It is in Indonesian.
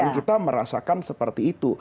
kita merasakan seperti itu